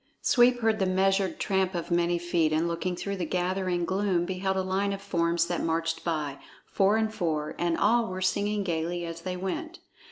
Sweep heard the measured tramp of many feet, and looking through the gathering gloom, beheld a line of forms that marched by, four and four, and all were singing gayly as they went.